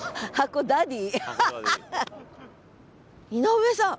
井上さん。